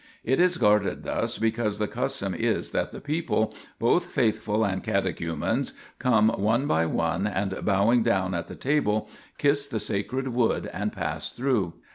It is guarded thus be cause the custom is that the people, both faithful and catechumens, come one by one and, bowing down at the table, kiss the sacred wood and pass through.